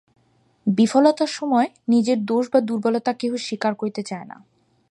বিফলতার সময় নিজের দোষ বা দুর্বলতা কেহ স্বীকার করিতে চায় না।